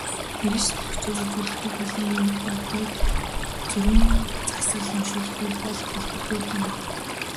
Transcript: Мэргэч төлгөчөөр үзүүлэлгүй бол ийм үед горьгүй, гүрэм засал уншуулалгүй бол болдоггүй гэнэ.